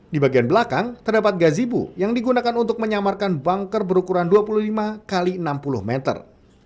di bagian belakang terdapat gazibu yang digunakan untuk menyamarkan bunker berukuran dua puluh lima x enam puluh meter